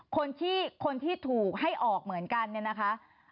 คนที่คนที่ถูกให้ออกเหมือนกันเนี่ยนะคะ